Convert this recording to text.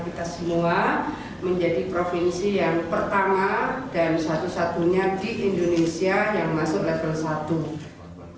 kita semua menjadi provinsi yang pertama dan satu satunya di indonesia yang masuk level satu